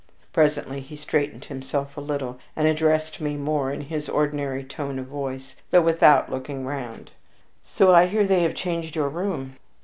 Presently he straightened himself a little, and addressed me more in his ordinary tone of voice, though without looking round. "So I hear they have changed your room."